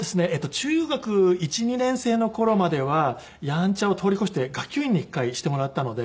中学１２年生の頃まではヤンチャを通り越して学級委員に一回してもらったので。